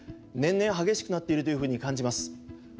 年々激しくなっているというふうに感じます。